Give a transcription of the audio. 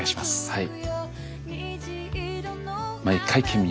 はい。